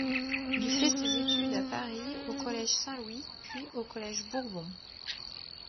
Il fait ses études à Paris au collège Saint-Louis, puis au collège Bourbon.